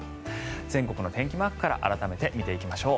全国の天気マークから改めて見ていきましょう。